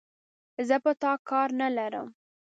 زه په تا کار نه لرم،